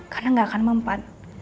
karena gak akan mempan